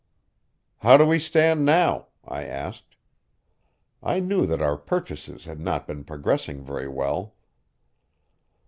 "How do we stand now?" I asked. I knew that our purchases had not been progressing very well.